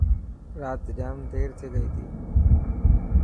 رات جام دير ٿي گئي تي.